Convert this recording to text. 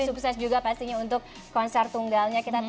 sukses juga pastinya untuk konser tunggalnya